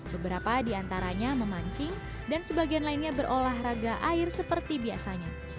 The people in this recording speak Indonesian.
beberapa diantaranya memancing dan sebagian lainnya berolah raga air seperti biasanya